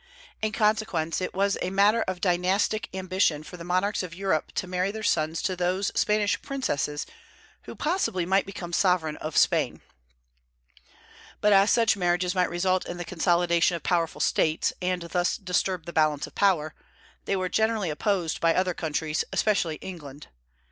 In consequence, it was always a matter of dynastic ambition for the monarchs of Europe to marry their sons to those Spanish princesses who possibly might become sovereign of Spain. But as such marriages might result in the consolidation of powerful States, and thus disturb the balance of power, they were generally opposed by other countries, especially England.